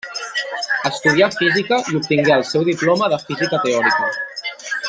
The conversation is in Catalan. Estudià física i obtingué el seu diploma de física teòrica.